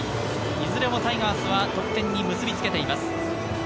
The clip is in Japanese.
いずれもタイガースは得点に結びつけています。